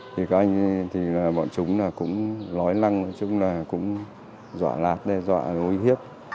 thì các anh thì bọn chúng là cũng lói lăng chúng là cũng dọa lạt dọa gối hiếp